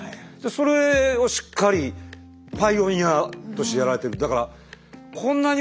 それをしっかりパイオニアとしてやられてる。